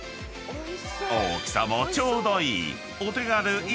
［大きさもちょうどいい］